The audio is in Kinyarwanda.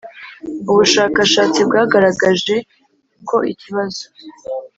Ubushakashatsi bwagaragaje ko ikibazo